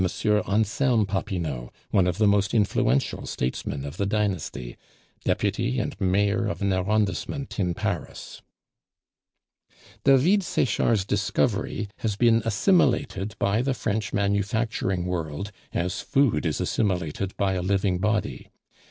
Anselme Popinot, one of the most influential statesmen of the dynasty, deputy and mayor of an arrondissement in Paris. David Sechard's discovery has been assimilated by the French manufacturing world, as food is assimilated by a living body.